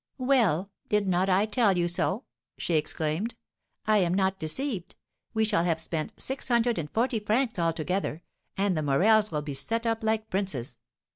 "Well, did not I tell you so?" she exclaimed. "I am not deceived: we shall have spent six hundred and forty francs all together, and the Morels will be set up like princes.